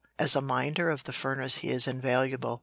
As a minder of the furnace he is invaluable.